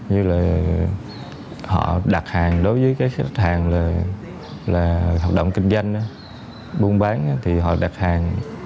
như là họ đặt hàng đối với cái khách hàng là hoạt động kinh doanh buôn bán thì họ đặt hàng